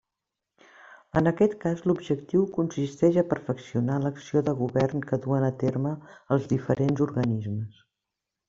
En aquest cas l'objectiu consisteix a perfeccionar l'acció de govern que duen a terme els diferents organismes.